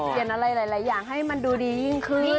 อะไรหลายอย่างให้มันดูดียิ่งขึ้น